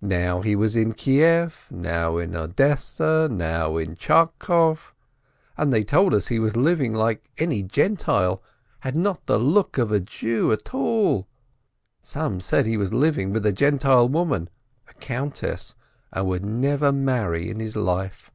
Now he was in Kieff, now in Odessa, now in Charkoff, and they told us he was living like any Gentile, had not the look of a Jew at all. Some said he was living with a Gentile woman, a countess, and would never marry in his life."